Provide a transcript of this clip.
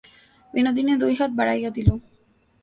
বিনোদিনী দুই হাত বাড়াইয়া দিল।